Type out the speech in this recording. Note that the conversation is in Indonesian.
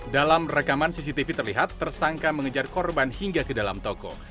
dalam rekaman cctv terlihat tersangka mengejar korban hingga ke dalam toko